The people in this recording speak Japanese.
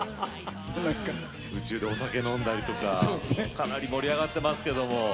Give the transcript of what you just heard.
宇宙でお酒を飲んだりとかかなり盛り上がってますけれど。